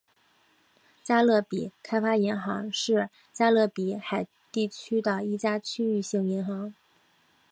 加勒比开发银行是加勒比海地区的一家区域性银行。